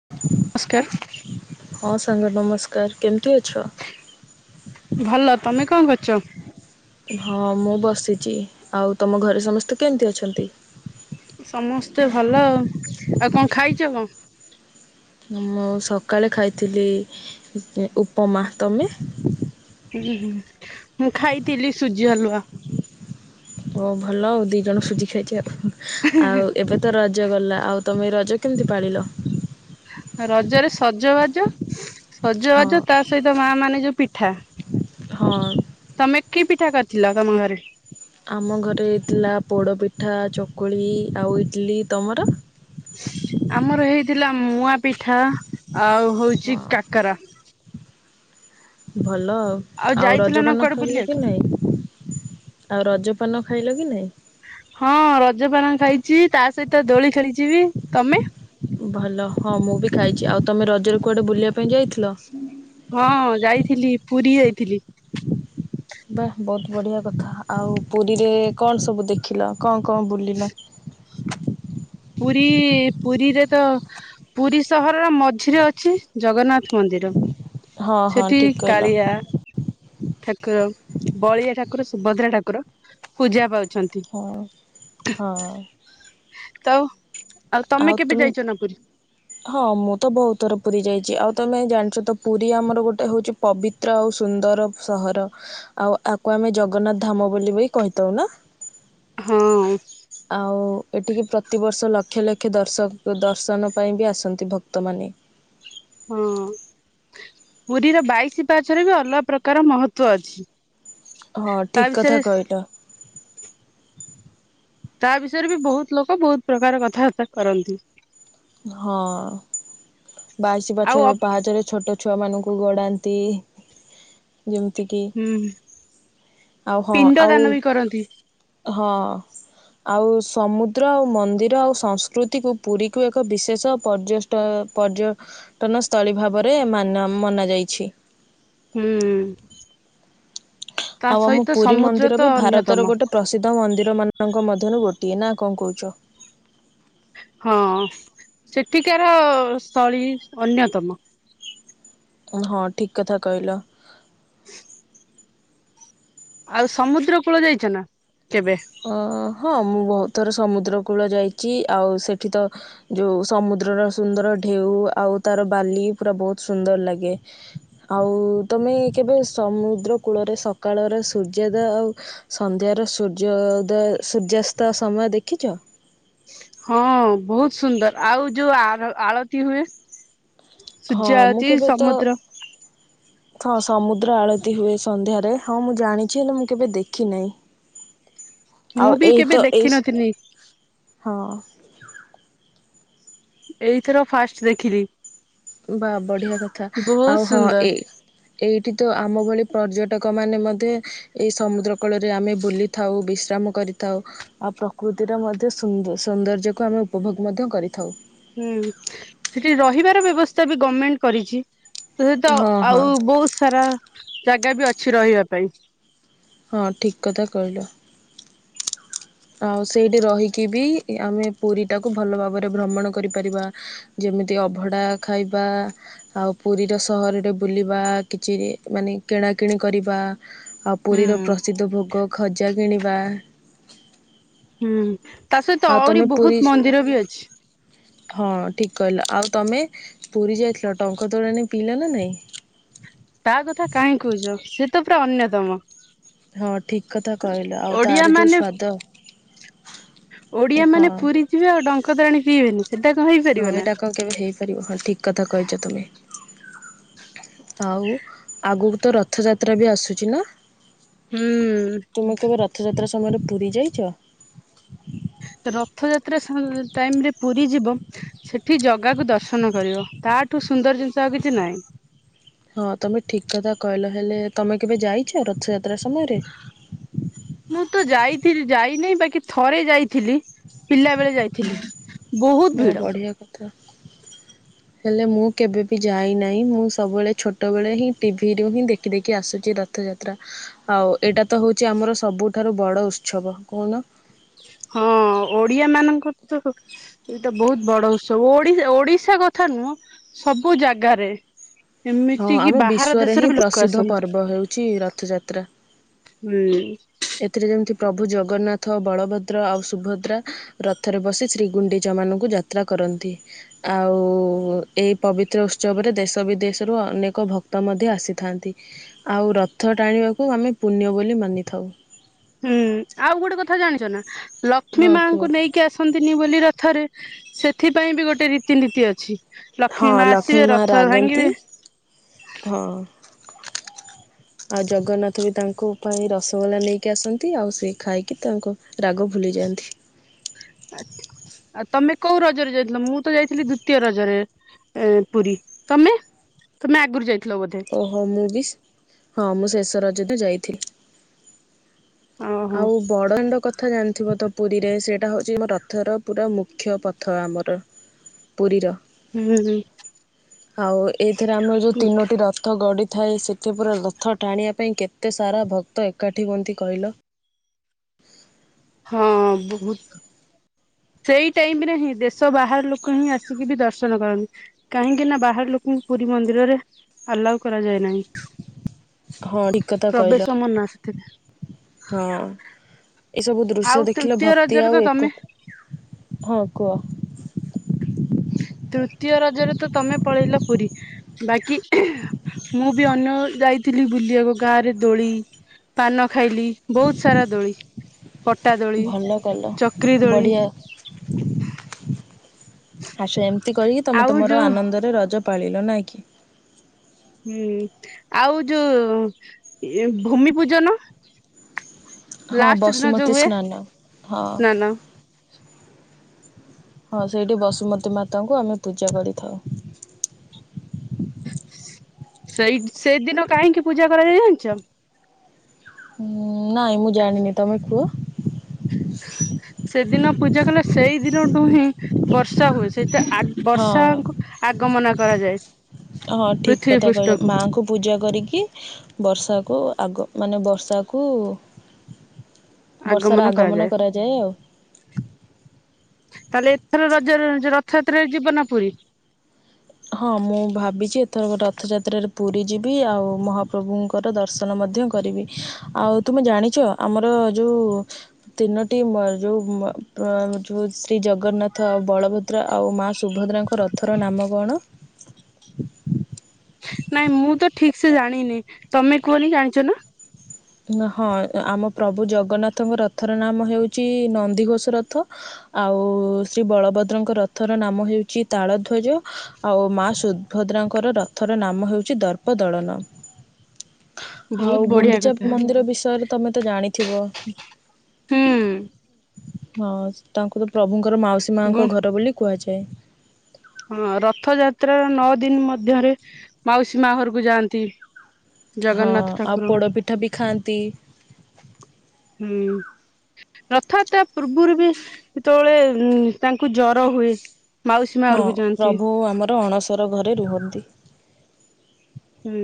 [unintelligible] ହଁ ସାଙ୍ଗ ନମସ୍କାର କେମିତି ଅଛ? ଭଲ ତମେ କଁ କରୁଚ? ହଁ ମୁଁ ବସିଚି, ଆଉ ତମ ଘରେ ସମସ୍ତେ କେମିତି ଅଛନ୍ତି? ସମସ୍ତେ ଭଲ ଆଉ ଆଉ କଁ ଖାଇଛ କଁ? ମୁଁ ସକାଳେ ଖାଇଥିଲି [unintelligible] ଉପମା ତମେ? ହୁଁ ହୁଁ ମୁଁ ଖାଇଥିଲି ସୁଜି ହାଲୁଆ। ଓ ଭଲ ଆଉ ଦିଇଜଣ ସୁଜି ଖାଇଚେ ଆଉ ଆଉ ଏବେ ତ ରଜ ଗଲା, ଆଉ ତମେ ରଜ କେମିତି ପାଳିଲ? ରଜରେ ସଜବାଜ, ହଁ ସଜବାଜ ତା ସହିତ ମା ମାନେ ଯୋଉ ପିଠା। ହଁ। ତମେ କି ପିଠା କରିଥିଲ ତମ ଘରେ? ଆମ ଘରେ ହେଇଥିଲା ପୋଡ଼ପିଠା, ଚକୁଳି, ଆଉ ଇଟିଲି ତମର? ଆମର ହେଇଥିଲା ମୁଆ ପିଠା ଆଉ ହୋଉଛି ହଁ [unintelligible] ଭଲ ଆଉ। ଆଉ ଯାଇଥିଲ ନା ରଜପାନ କୁଆଡେ ଖାଇଲ କି ବୁଲିବାକୁ ନାଇଁ, ଆଉ ରଜପାନ ଖାଇଲ କି ନାଇଁ। ହଁ ରଜପାନ ଖାଇଚି ତା ସହିତ ଦୋଳି ଖେଳିଚି ବି ତମେ। ଭଲ ହଁ ମୁଁ ବି ଖାଇଛି ଆଉ ତମେ ରଜରେ କୁଆଡେ ବୁଲିବା ପାଇଁ ଯାଇଥିଲ? ହଁ ଯାଇଥିଲି ପୁରୀ ଯାଇଥିଲି। ବା ବୋହୁତ ବଢିଆ କଥା, ଆଉ ପୁରୀରେ କଣ ସବୁ ଦେଖିଲ କଁ କଁ ବୁଲିଲ? ପୁରୀ ପୁରୀରେ ତ ପୁରୀ ସହରର ମଝିରେ ଅଛି ଜଗନ୍ନାଥ ମନ୍ଦିର। ହଁ ହଁ ସେଠି ଠିକ କହିଲ କାଳିଆ ଠାକୁର ବଳିଆ ଠାକୁର ସୁଭଦ୍ରା ଠାକୁର ପୂଜା ପାଉଛନ୍ତି। [unintelligible] ହଁ। [unintelligible] ତମେ ଆଉ କେବେ [unintelligible] ଯାଇଛ ନା ପୁରୀ? ହଁ ମୁଁ ତ ବୋହୁତ ଥର ପୁରୀ ଯାଇଛି, ଆଉ ତମେ ଜାଣିଚ ତ ପୁରୀ ଆମର ଗୋଟେ ହୋଉଚି ପବିତ୍ର ଆଉ ସୁନ୍ଦର ସହର ଆଉ ୟାକୁ ଆମେ ଜଗନ୍ନାଥ ଧାମ ବୋଲି ବି କହିଥାଉ ନା। ହଁ। ଆଉ ଏଠିକି ପ୍ରତିବର୍ଷ ଲକ୍ ଲକ୍ଷ ଲକ୍ଷ ଦର୍ଶକ ଦର୍ଶନ ପାଇଁ ବି ଆସନ୍ତି ଭକ୍ତମାନେ। ହଁ ପୁରୀର ବାଇଶି ପାହାଚରେ ବି ଅଲଗା ପ୍ରକାର ମହତ୍ଵ ଅଛି। ହଁ ତା ଠିକ୍ ବିଷୟରେ କଥା କହିଲ। ତା ବିଷୟରେ ବି ବୋହୁତ୍ ଲୋକ ବୋହୁତ୍ ପ୍ରକାର କଥାବାର୍ତ୍ତା କରନ୍ତି। ହଁ ବାଇଶି ଆଉ ପଛ ଅବ୍ ପାହାଚରେ ଛୋଟୋ ଛୁଆମାନଙ୍କୁ ଗଡ଼ାନ୍ତି ଯେମିତିକି ହୁଁ ଆଉ ହଁ ପିଣ୍ଡ ଦାନ ଆଉ ବି କରନ୍ତି ହଁ ଆଉ ସମୁଦ୍ର ଆଉ ମନ୍ଦିର ଆଉ ସଂସ୍କୃତିକୁ ପୁରୀ କୁ ଏକ ବିଶେଷ ପର୍ଯ୍ୟଷ୍ଟ ପର୍ଯ୍ୟ ଟନ ସ୍ଥଳୀ ଭାବରେ ମାନ୍ୟ ମନା ଯାଇଛି। ହୁଁ। ତା ଆଉ ଆମ ସହିତ ପୁରୀ ସମୁଦ୍ର ମନ୍ଦିର ତ ବି ଅନ୍ୟତମ ଭାରତର ଗୋଟେ ପ୍ରସିଦ୍ଧ ମନ୍ଦିରମାନଙ୍କ ମଧ୍ୟରୁ ଗୋଟିଏ ନା କଣ କହୁଚ? ହଁ ସେଠିକାର ସ୍ଥଳୀ ଅନ୍ୟତମ। ହଁ ଠିକ୍ କଥା କହିଲ। [inaudible] ଆଉ ସମୁଦ୍ର କୂଳ ଯାଇଚ ନା କେବେ? ହଁ ହଁ ମୁଁ ବହୁତ୍ ଥରେ ସମୁଦ୍ର କୂଳ ଯାଇଚି ଆଉ ସେଠି ତ ଯୋଉ ସମୁଦ୍ରର ସୁନ୍ଦର ଢ଼େଉ ଆଉ ତାର ବାଲି ପୁରା ବୋହୁତ୍ ସୁନ୍ଦର ଲାଗେ। ଆଉ ତମେ କେବେ ସମୁଦ୍ର କୂଳରେ ସକାଳର ସୂର୍ଯ୍ୟୋଦୟ ଆଉ ସନ୍ଧ୍ୟାର ସୂର୍ଯ୍ୟୋଦୟ ସୂର୍ଯ୍ୟାସ୍ତ ସମୟ ଦେଖିଚ? ହଁ ବୋହୁତ୍ ସୁନ୍ଦର ଆଉ ଯୋଉ ଆର ଆଳତୀ ହୁଏ ହଁ ସୂର୍ଯ୍ୟ ମୁଁ ଆଳତୀ କେବେ ତ ସମୁଦ୍ର ହଁ ସମୁଦ୍ର ଆଳତୀ ହୁଏ ସନ୍ଧ୍ୟାରେ ହଁ ମୁଁ ଜାଣିଛି ହେଲେ ମୁଁ କେବେ ଦେଖି ନେଇଁ। ମୁଁ ବି କେବେ ଏଇ ଦେଖିନଥିଲି ହଁ। ଏଇ ଥର ଫାଷ୍ଟ୍ ଦେଖିଲି। ବାଃ ବଢ଼ିଆ କଥା ବହୁତ ଆଉ ହଁ ସୁନ୍ଦର ଏଇ ଏଇଠି ତ ଆମ ଭଳି ପର୍ଯ୍ୟଟକ ମାନେ ମଧ୍ୟେ ଏଇ ସମୁଦ୍ର କୂଳରେ ଆମେ ବୁଲି ବସି ଥାଉ ବିଶ୍ରାମ କରିଥାଉ। ଆଉ ପ୍ରକୃତିର ମଧ୍ୟ ସୁନ୍ଦର୍ ସୌନ୍ଦର୍ଯ୍ୟକୁ ଆମେ ଉପଭୋଗ ମଧ୍ୟ କରିଥାଉ। ହୁଁ ସେଠି ରହିବାର ବ୍ୟବସ୍ଥା ବି ଗମେଣ୍ଟ୍ କରିଛି। ସେଇ ତ ହଁ ହଁ ଆଉ ବୋହୁତ୍ ସାରା ଜାଗା ବି ଅଛି ରହିବା ପାଇଁ। ହଁ ଠିକ୍ କଥା କହିଲ। ଆଉ ସେଇଠି ରହିକି ବି ଏ ଆମେ ପୁରୀଟାକୁ ଭଲ ଭାବରେ ଭ୍ରମଣ କରିପାରିବା। ଯେମିତି ଅଭଡ଼ା ଖାଇବା ଆଉ ପୁରୀର ସହରରେ ବୁଲିବା କିଛି ମାନେ କିଣାକିଣି କରିବା ଆଉ ହୁଁ ପୁରୀର ପ୍ରସିଦ୍ଧ ଭୋଗ ଖଜା କିଣିବା ହୁଁ ତା ସହିତ ଆଉ ଆହୁରି ତମେ ବୋହୁତ୍ ପୁରୀ ମନ୍ଦିର ବି ଅଛି। ହଁ ଠିକ୍ କହିଲ ଆଉ ତମେ ପୁରୀ ଯାଇଥିଲ ଡ଼ଙ୍କ ତୋରାଣି ପିଇଲ ନା ନାଇଁ? ତା କଥା କାହିଁ କହୁଛ ସେ ତ ପୁରା ଅନ୍ୟତମ। ହଁ ଠିକ୍ କଥା କହିଲ ଆଉ ତାର ଯୋଉ ସ୍ଵାଦ ଓଡ଼ିଆ ହଁ ମାନେ ପୁରୀ ଯିବେ ଆଉ ଡଙ୍କ ତୋରାଣି ପିଇବେନି ସେଟା କଣ ହେଇ ପାରିବ? ହଁ ଏଇଟା କଣ କେବେ ହେଇପାରିବ ହଁ ଠିକ୍ କଥା କହିଚ ତୁମେ। ଆଉ ଆଗୁକୁ ତ ରଥଯାତ୍ରା ବି ଆସୁଛି ନା? ହୁଁ। ତୁମେ କେବେ ରଥ ଯାତ୍ରା ସମୟରେ ପୁରୀ ଯାଇଚ? ରଥ ଯାତ୍ରା ସମ୍ ଟାଇମ୍ ରେ ପୁରୀ ଯିବ ସେଠି ଜଗାକୁ ଦର୍ଶନ କରିବ ତା ଠୁ ସୁନ୍ଦର୍ ଜିନିଷ ଆଉ କିଛି ନାହିଁ। ହଁ ତମେ ଠିକ କଥା କହିଲ ହେଲେ ତମେ କେବେ ଯାଇଛ ରଥଯାତ୍ରା ସମୟରେ ମୁଁ ତ ଯାଇଥିଲି ଯାଇନେହି ବାକି ଥରେ ଯାଇଥିଲି ପିଲା ବେଳେ ଯାଇଥିଲି। ବହୁତ ବଢ଼ିଆ କଥା। [unintelligible] ହେଲେ ମୁଁ କେବେ ଭି ଯାଇନାହିଁ ମୁଁ ସବୁବେଳେ ଛୋଟବେଳେ ହିଁ ଟିଭିରୁ ହିଁ ଦେଖି ଦେଖି ଆସୁଛି ର ରଥଯାତ୍ରା ଆଉ ଏଇଟା ତ ହଉଛି ଆମର ସବୁଠାରୁ ବଡ ଉତ୍ସବ କହୁନ ହଁ ଓଡିଆମାନଙ୍କର ତ ଏଇଟା ବହୁତ ବଡ ଉତ୍ସବ ଓଡ଼ି ଓଡିଶା କଥା ନୁହଁ ସବୁ ଜାଗାରେ। ହଁ ଏମିତି କି ଆମ ବାହାର ବିଶ୍ୱରେ ହିଁ ଦେଶରୁ ବି ଲୋକ ପ୍ରସିଦ୍ଧ ଆସନ୍ତି। ପର୍ବ ହେଉଛି ରଥଯାତ୍ରା ହୁଁ। ଏଥିରେ ଯେମିତି ପ୍ରଭୁ ଜଗନ୍ନାଥ ବଳଭଦ୍ର ଆଉ ସୁଭଦ୍ରା ରଥରେ ବସି ଶ୍ରୀ ଗୁଡିଚାମାନଙ୍କୁ ଯାତ୍ରା କରନ୍ତି। ଆଉ ଏଇ ପବିତ୍ର ଉତ୍ସବରେ ଦେଶ ବିଦେଶରୁ ଅନେକ ଭକ୍ତ ମଧ୍ୟ ଆସିଥାନ୍ତି। ଆଉ ରଥ ଟାଣିବାକୁ ଆମେ ପୁଣ୍ୟ ବୋଲି ମାନିଥାଉ। ହୁଁ ଆଉ ଗୋଟେ କଥା ଜାଣିଛ ନା ହଁ ଲକ୍ଷ୍ମୀମାଙ୍କୁ କୁହ ନେଇ କି ଆସନ୍ତିନି ବୋଲି ରଥରେ ସେଥିପାଇଁ ବି ଗୋଟେ ରୀତିନୀତି ଅଛି। ଲକ୍ଷ୍ମୀ ମା ଆସିବେ ରଥ ଭାଙ୍ଗିବେ ହଁ। [inaudible] ଆଉ ଜଗନ୍ନାଥ ବି ତାଙ୍କ ପାଇଁ ରସଗୋଲା ନେଇକି ଆସନ୍ତି। ଆଉ ସେ ଖାଇକି ତାଙ୍କ ରାଗ ଭୁଲିଯାଆନ୍ତି। ଆଛା ଆଉ ତମେ କୋଉ ରଜରେ ଯାଇଥିଲ ମୁଁ ତ ଯାଇଥିଲି ଦ୍ଵିତୀୟ ରଜରେ ଏ ପୁରୀ, ତମେ? ତମେ ଆଗରୁ ଯାଇଥିଲ ବୋଧେ? ଓହ ମୁଁ ବିଶ୍, ହଁ ମୁଁ ଶେଷ ରଜରେ ଯାଇଥିଲି। ଓହୋ ଆଉ ବଡଦାଣ୍ଡ କଥ ଥା ଜାଣିଥିବ ତ ପୁରୀରେ ସେଇଟା ହେଉଛି ଆମ ରଥର ପୁରା ମୁଖ୍ୟ ପଥ ଆମର। ପୁରୀର ହୁଁ ହୁଁ ଆଉ ଏଇଥିରେ ଆମର ଯୋଉ ତିନୋଟି ରଥ ଗଡିଥାଏ ସେ ଏତ ପୁରା ରଥ ଟାଣିବା ପାଇଁ କେତେ ସାରା ଭକ୍ତ ଏକାଠି ହୁଅନ୍ତି କହିଲ। ହଁ ବହୁତ ସେଇ ଟାଇମରେ ହିଁ ଦେଶ ବାହାରୁ ଲୋକ ହିଁ ଆସିକି ବି ଦର୍ଶନ କରନ୍ତି। କାହିଁକି ନା ବାହାର ଲୋକଙ୍କୁ ପୁରୀ ମନ୍ଦିରରେ ଆଲାଉ କରାଯାଏ ନାହିଁ। ହଁ ଠିକ କଥା କହିଲ ପ୍ରବେଶ ମନା ସେଥିରେ ହଁ ଏ ସବୁ ଦୃଶ୍ୟ ଆଉ ଦେଖିଲେ ତୃତୀୟ ଭକ୍ତି ରଜରେ ତ ଆଉ ତମେ ଏକ ହଁ କୁହ? ତୃତୀୟ ରଜରେ ତ ତମେ ପଳେଇଲ ପୁରୀ ବାକି ମୁଁ ବି ଅନ୍ୟ ଯାଇଥିଲି ବୁଲିବାକୁ, ଗାଁରେ ଦୋଳି ପାନ ଖାଇଲି ବହୁତ ସାରା ଦୋଳି ପଟା ଦୋଳି ଚକ୍ରୀ ଦୋଳି ଆ ସେ ଏମତି କରିକି ତମେ ଆଉ ତମର ଯୋଉ ଆନନ୍ଦରେ ରଜ ପାଳିଲ ନାଇଁ କି! ହୁଁ ଆଉ ଯୋଉ ଇଏ ଭୂମି ପୂଜନ ହଁ ଲାଷ୍ଟ ଦିନ ବସୁମତୀ ଯୋଉ ହୁଏ ସ୍ନାନ ହଁ ନା ନା ହଁ ସେଇଠି ବସୁମତୀ ମାତାଙ୍କୁ ଆମେ ପୂଜା କରିଥାଉ। ସେଇ ସେଇଦିନ କାହିଁକି ପୂଜା କରାଯାଇ ଜାଣିଛ? ଉଁ ନାଇଁ ମୁଁ ଜାଣିନି ତମେ କୁହ ସେଦିନ ପୂଜା କଲେ ସେଇ ଦିନଠୁ ହିଁ ବର୍ଷା ହୁଏ। ସେଇଟା ଆଗ ହଁ ବର୍ଷାଙ୍କୁ ଆଗମନା କରାଯାଏ। ହଁ ଠିକ ପୃଥିବୀ କଥା କହିଲ ପୃଷ୍ଠକୁ ମାଆଙ୍କୁ ପୂଜା କରିକି ବର୍ଷାକୁ ଆଗ ମାନେ ବର୍ଷାକୁ ବର୍ଷାର ଆଗମନ କରାଯାଏ ଆଉ। ତାହେଲେ ଏଥରର ରଜରେ ଯୋଉ ରଥଯାତ୍ରାରେ ଯିବ ନା ପୁରୀ? ହଁ ମୁଁ ଭାବିଛି ଏଥରକ ରଥଯାତ୍ରାରେ ପୁରୀ ଯିବି ଆଉ ମହାପ୍ରଭୁ ଙ୍କର ଦର୍ଶନ ମଧ୍ୟ କରିବି ଆଉ ତୁମେ ଜାଣିଛ ଆମର ଯୋଉ ତିନୋଟି ମ ଯୋଉ ମ-ମ ଯୋଉ ଶ୍ରୀଜଗନ୍ନାଥ ଆଉ ବଳଭଦ୍ ଦ୍ର ଆଉ ମା ସୁଭଦ୍ରାଙ୍କ ରଥର ନାମ କଣ? ନାଇଁ ମୁଁ ତ ଠିକସେ ଜାଣିନି, ତମେ କୁହନି ଜାଣିଛ ନା? ନା ହଁ, ଆମ ପ୍ରଭୁ ଜଗନ୍ନାଥଙ୍କ ରଥର ନାମ ହେଉଛି ନନ୍ଦିଘୋଷ ରଥ ଆଉ ଶ୍ରୀବଳଭଦ୍ରଙ୍କ ରଥର ନାମ ହେଉଛି ତାଳଧ୍ୱଜ ଆଉ ମା ସୁଦଭଦ୍ରାଙ୍କର ରଥର ନାମ ହେଉଛି ଦର୍ପଦଳନ। [inaudible] ଆଉ ବହୁତ ବଢିଆ ଗୁଣ୍ଡିଚା କଥା। ମନ୍ଦିର ବିଷୟରେ ତମେ ତ ଜାଣିଥିବ? ହୁଁ। ହଁ, ତାଙ୍କୁ ତ ପ୍ରଭୁଙ୍କର ମାଉସୀ ହଁ ମାଙ୍କ ଘର ବୋଲି କୁହାଯାଏ। ହଁ, ରଥଯାତ୍ରାର ନଅ ଦିନ ମଧ୍ୟରେ ମାଉସୀ ମା ଘରକୁ ଯାଆନ୍ତି। ହଁ, ଜଗନ୍ନାଥ ଆଉ ଠାକୁର ପୋଡ଼ପିଠା ବି ଖାଆନ୍ତି। ହୁଁ। ରଥଯାତ୍ରା ପୂର୍ବୁରୁ ବି ଯେତେବେଳେ ଉମ୍ ତାଙ୍କୁ ଜ୍ଵର ହୁଏ। ମାଉସୀ ମା ହଁ ଘରକୁ ଯାଆନ୍ତି ପ୍ରଭୁ ଆମର ଅଣସର ଘରେ ରୁହନ୍ତି। ହୁଁ।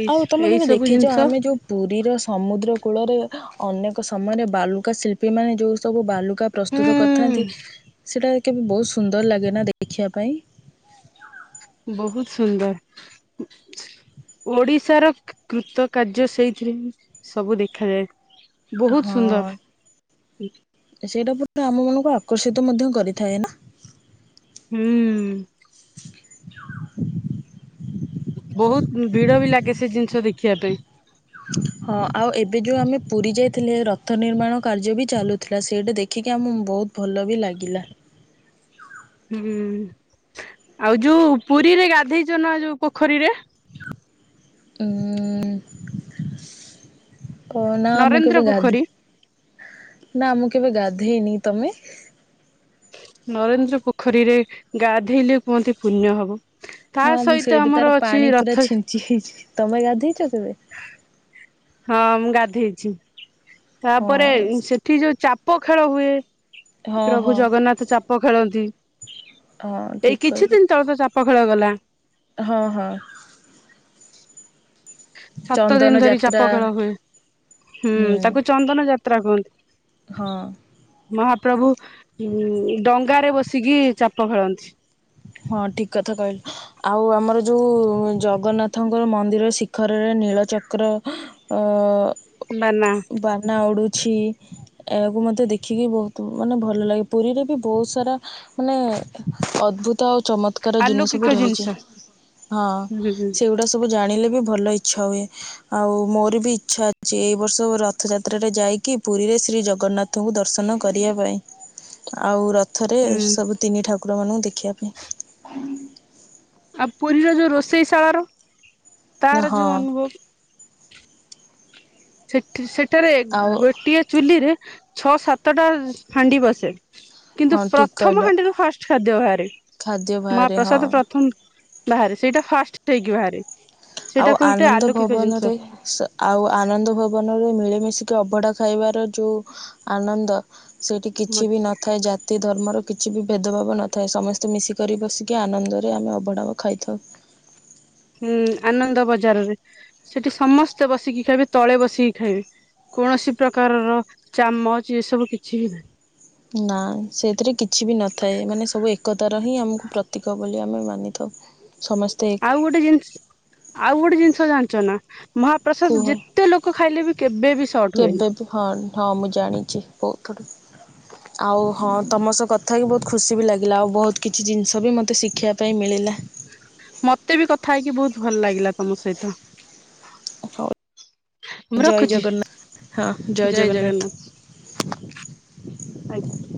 ଏଇ ଆଉ ତମେ ଏଇ କେବେ ସବୁ ଦେଖିଛ, ଜିନିଷ ଆମେ ଯୋଉ ପୁରୀର ସମୁଦ୍ରକୂଳରେ, ଅନେକ ସମୟରେ ବାଲୁକାଶିଳ୍ପୀମାନେ ଯୋଉ ସବୁ ବାଲୁକା ହୁଁ ପ୍ରସ୍ତୁତ କରି ଥାନ୍ତି, ସେଇଟା କେବେ ବହୁତ ସୁନ୍ଦର ଲାଗେନା ଦେ-ଦେଖିଆ ପାଇଁ। ବହୁତ ସୁନ୍ଦର। ଓଡ଼ିଶାର କୃ-କୃତକାର୍ଯ୍ୟ ସେଇଥିରେ ସବୁ ଦେଖାଯାଏ। ବହୁତ ହଁ, ସୁନ୍ଦର ସେଇଟା ପୁଣି ତ ଆମମାନଙ୍କୁ ଆକର୍ଷିତ ମଧ୍ୟ କରିଥାଏ ନା। ହୁଁ। ବହୁତ ଭିଡ ବି ଲାଗେ ସେ ଜିନିଷ ଦେଖିବା ପାଇଁ। ହଁ। ଆଉ ଏବେ ଯୋଉ ଆମେ ପୁରୀ ଯାଇଥିଲେ ରଥ ନିର୍ମାଣ କାର୍ଯ୍ୟ ବି ଚାଲୁଥିଲା ସେଇଟି ଦେଖ ଦେଖିକି ଆମକୁ ବହୁତ ଭଲ ବି ଲାଗିଲା। ହୁଁ। ଆଉ ଯୋଉ ପୁରୀରେ ଗାଧେଇଛ ନା ଯୋଉ ପୋଖରୀରେ? ଉମ୍ କଉନା ମୁଁ ନରେନ୍ଦ୍ର କେବେ ଗାଧେ ପୋଖରୀ ନାଁ, ମୁଁ କେବେ ଗାଧେଇନି। ତମେ? ନରେନ୍ଦ୍ର ପୋଖରୀରେ ଗାଧେଇଲେ କୁହନ୍ତି ପୁଣ୍ୟ ହବ। ତା ହଁ, ମୁଁ ସହିତ ସେଇଠି ଆମର ତାର ଅଛି ପାଣି ରଥ ପୁରା ଛିଞ୍ଚି ହେଇଛି। ତମେ ଗାଧେଇଛ କେବେ? ହଁ, ମୁଁ ଗାଧେଇଛି। ହଁ ତାପରେ ସେଠି ଯୋଉ ଚାପ ଖେଳ ହୁଏ ହଁ ପ୍ରଭୁ ହଁ ଜଗନ୍ନାଥ ଚାପ ଖେଳନ୍ତି। ହଁ ଏଇ ଠିକ୍ କିଛି କହିଲ ଦିନ ତଳେ ତ ଚାପ ପ ଖେଳ ଗଲା ହଁ ହଁ। ଚନ୍ଦନ ସାତଦିନ ଧରି ଯାତ୍ରା ଚାପ ଖେଳ ହୁଏ। ହୁଁ, ତାକୁ ଚନ୍ଦନ ଯାତ୍ରା କୁହନ୍ତି। ହଁ ମହାପ୍ରଭୁ ଉମ୍ ଡଙ୍ଗାରେ ବସିକି ଚାପ ଖେଳନ୍ତି। ହଁ, ଠିକ କଥା କହିଲ। ଆଉ ଆମର ଯୋଉ ଜଗନ୍ନାଥଙ୍କର ମନ୍ଦିର ଶିଖରରେ ନୀଳଚକ୍ର ଅ ଉ ବା ନା ବାନା ଉଡ଼ୁଛି ଏହାକୁ ମତେ ଦେଖିକି ବହୁତ ମାନେ ଭଲ ଲାଗେ। ପୁରୀରେ ବି ବହୁତ ସାରା ମାନେ ଅଦ୍ଭୁତ ଆଉ ଚମତ୍କା କାର ଜିନିଷ ବି ରହିଛି। ହଁ, ହୁଁ ହୁଁ ସେଗୁଡା ସବୁ ଜାଣିଲେ ବି ଭଲ ଇଚ୍ଛା ହୁଏ ଆଉ ମୋର ବି ଇଚ୍ଛା ଅଛି, ଏଇ ବର୍ଷ ରଥଯାତ୍ରାରେ ଯାଇକି ପୁରୀରେ ଶ୍ରୀ ଜଗନ୍ନାଥ ନ୍ନାଥଙ୍କୁ ଦର୍ଶନ କରିଆ ପାଇଁ ଆଉ ରଥ ଥରେ ସବୁ ତିନି ଠାକୁରମାନଙ୍କୁ ଦେଖିଆ ପାଇଁ। ଆଉ ପୁରୀର ଯୋଉ ରୋଷେଇଶାଳାର, ପାଇଁ ତାର ହଁ ଯୋଉ ଅନୁଭବ ସେଠି-ସେଠାରେ ଆଉ ଗୋଟିଏ ଚୁଲିରେ ଛଅ, ସାତଟା ହାଣ୍ଡି ବସେ। କିନ୍ତୁ ହଁ ଠିକ୍ ପ୍ରଥମ କହିଲ ହାଣ୍ଡିରୁ ଫାଷ୍ଟ ଖାଦ୍ୟ ବାହାରେ, ଖାଦ୍ୟ ବାହାରେ ମହାପ୍ରସାଦ ହଁ ପ୍ରଥମ। ବାହାରେ, ସେଇଟା ଫାଷ୍ଟ ହେଇକି ବାହାରେ, ଆଉ ସେଇଟା ଗୋଟେ ଆନନ୍ଦ ଆଲୌକିକ ଭବନରେ ଜିନିଷ। ଆଉ ଆନନ୍ଦ ଭବନରେ ମିଳିମିଶିକି ଅବଢ଼ା ଖାଇବାର ଯୋଉ ଆନନ୍ଦ! ସେଇଠି କିଛି ବି ନଥାଏ। ଜା ତି ଧର୍ମର କିଛି ବି ଭେଦଭାବ ନଥାଏ, ସମସ୍ତେ ମିଶିକରି ବସିକି ଆନନ୍ଦରେ ଆମେ ଅବଢ଼ା ଖାଇଥାଉ। ହୁଁ, ଆନନ୍ଦ ବଜାରରେ, ସେଠି ସମସ୍ତେ ବସିକି ଖାଇବେ, ତଳେ ବସିକି ଖାଇବେ। କୌଣସି ପ୍ରକାରର ଚାମଚ ଏସବୁ କିଛିବି ନାହିଁ। ନା, ସେଥିରେ କିଛି ବି ନଥାଏ ମାନେ ସବୁ ଏକତାର ହିଁ ଆମକୁ ପ୍ରତୀକ ବୋଲି ଆମେ ମାନିଥାଉ। ସମସ୍ତେ ଆଉ ଗୋଟେ ଜିନିଷ, ଆଉ ଗୋଟେ ଜିନିଷ ଜାଣିଛ ନା? ମହାପ୍ରସାଦ କୁହ ଯେତେ ଲୋକ ଖାଇଲେବି କେବେବି ସଟ ହୁଏନି। କେବେ ବି ହଁ, ହଁ ମୁଁ ଜାଣିଛି ବହୁଥର ଆଉ ହଁ ତମସହ କଥା ହେଇ ବହୁତ ଖୁସି ବି ଲାଗିଲା, ଆଉ ବହୁତ କିଛି ଜିନିଷବି ମୋତେ ଶିଖିବା ପାଇଁ ମିଳିଲା। ମତେବି କଥା ହେଇକି ବହୁତ ଭଲ ଲାଗିଲା ଆପଣଙ୍କ ସହିତ। ହଉ ମୁଁ ଜୟ ରଖୁଛି ଜଗନ୍ନାଥ ହଁ ଜୟ ଜଗନ୍ନାଥ। ଜଗନ୍ନାଥ। ଆଜ୍ଞା